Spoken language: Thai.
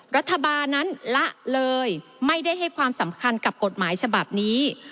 รัฐบาลนั้นละเลยไม่ได้ให้ความสำคัญกับกฎหมายฉบับนี้